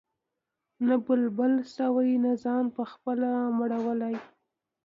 نه بلبل سوای ځان پخپله مړولای